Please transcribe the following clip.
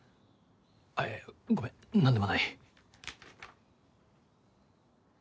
あっいやいやごめん何でもない。